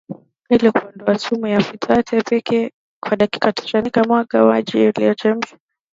Ili kuondoa sumu ya phytate pika maharage kwa dakika tanokisha mwaga maji uliyochemsha